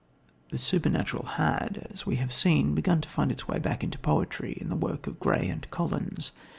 The supernatural had, as we have seen, begun to find its way back into poetry, in the work of Gray and Collins.